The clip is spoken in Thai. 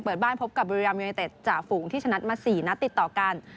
เปิดบ้านพบกับบริรามยูเนเต็ดจ่าฝูงที่ชนะมา๔นัดติดต่อกัน